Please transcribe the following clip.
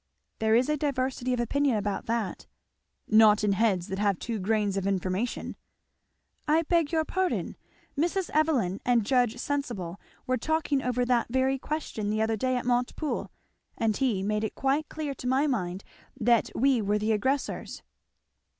"There is a diversity of opinion about that." "Not in heads that have two grains of information." "I beg your pardon. Mrs. Evelyn and Judge Sensible were talking over that very question the other day at Montepoole; and he made it quite clear to my mind that we were the aggressors."